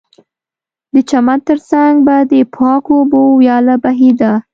د چمن ترڅنګ به د پاکو اوبو ویاله بهېده